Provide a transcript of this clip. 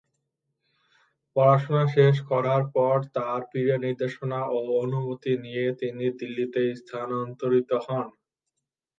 পড়াশোনা শেষ করার পর তার পীরের নির্দেশনা ও অনুমতি নিয়ে তিনি দিল্লিতে স্থানান্তরিত হন।